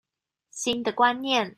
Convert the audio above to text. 新的觀念